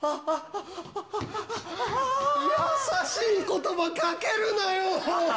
優しいことばかけるなよ。